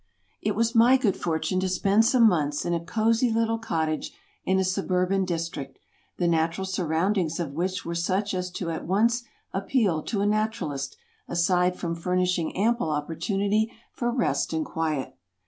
It was my good fortune to spend some months in a cozy little cottage in a suburban district, the natural surroundings of which were such as to at once appeal to a naturalist, aside from furnishing ample opportunity for rest and quiet.